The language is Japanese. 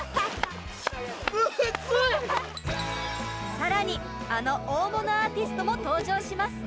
さらに、あの大物アーティストも登場します。